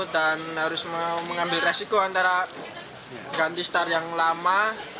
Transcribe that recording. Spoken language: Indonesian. dan harus mengambil resiko antara ganti star yang lama